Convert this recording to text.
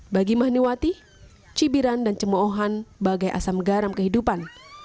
bagi mahniwati cibiran dan cemohan bagai asam garam kehidupan